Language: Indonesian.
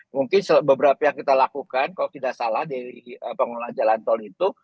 mungkin beberapa yang kita lakukan kalau tidak salah dari pengelola jalan tol itu